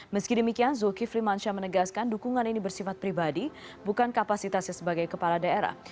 meski demikian zulkifli mansyah menegaskan dukungan ini bersifat pribadi bukan kapasitasnya sebagai kepala daerah